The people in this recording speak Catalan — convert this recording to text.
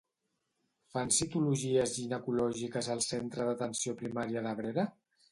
Fan citologies ginecològiques al centre d'atenció primària d'Abrera?